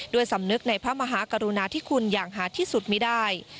สำนึกในพระมหากรุณาธิคุณอย่างหาที่สุดมีได้